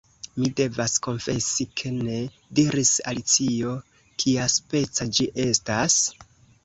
"Mi devas konfesi ke ne," diris Alicio. "Kiaspeca ĝi estas?"